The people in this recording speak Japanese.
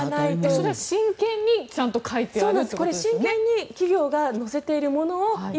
それは真剣にちゃんと書いてあるってことですよね。